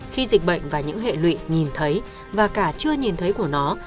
khi dịch bệnh và những hệ lụy nhìn thấy và cả chưa nhìn thấy của nó